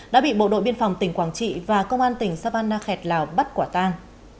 đã bị bộ đội biên phòng tỉnh quảng trị và công an tỉnh savanna khẹt lào bắt quả tan